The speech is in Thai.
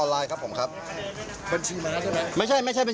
ไม่มีเว็บพนันพี่ไม่มีอะไรทั้งนั้นครับ